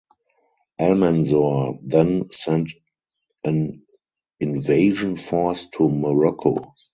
Almanzor then sent an invasion force to Morocco.